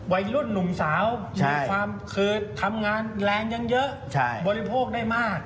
วัยรุ่นหนุ่มสาวมีความเคยทำงานแรงยังเยอะบริโภคได้มาก